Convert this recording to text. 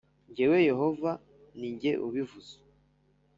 Jyewe Yehova ni jye ubivuze